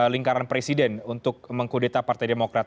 lingkaran presiden untuk mengkudeta partai demokrat